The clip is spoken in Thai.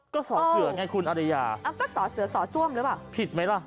ก็สอเสือไงคุณอริยาก็สอเสือสอส้วมหรือเปล่าผิดไหมล่ะ